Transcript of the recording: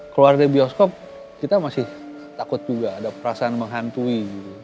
keluar dari bioskop kita masih takut juga ada perasaan menghantui